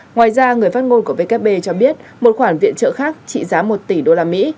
ngoài ra người phát ngôn của wb cho biết một khoản viện trợ khác trị giá một tỷ đô la mỹ